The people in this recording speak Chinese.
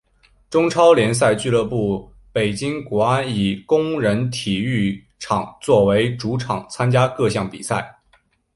中超联赛俱乐部北京国安以工人体育场作为主场参加各项比赛。